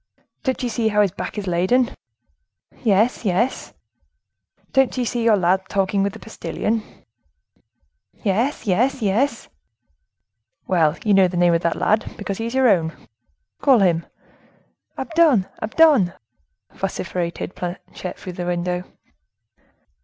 "Don't you see how his back is laden?" "Yes, yes!" "Don't you see your lad talking with the postilion?" "Yes, yes, yes!" "Well, you know the name of that lad, because he is your own. Call him." "Abdon! Abdon!" vociferated Planchet, from the window.